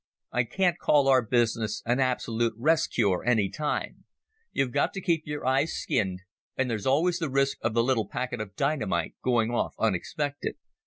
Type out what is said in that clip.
"I can't call our business an absolute rest cure any time. You've got to keep your eyes skinned, and there's always the risk of the little packet of dynamite going off unexpected.